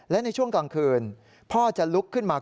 และในช่วงกลางคืนพ่อจะลุกขึ้นมา